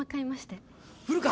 古川。